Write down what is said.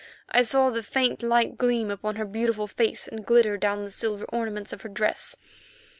I saw the faint light gleam upon her beautiful face and glitter down the silver ornaments of her dress.